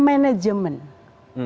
yang diperlukan adalah bagaimana manajemen